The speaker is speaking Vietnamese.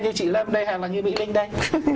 như chị lâm đây hay là như mỹ linh đây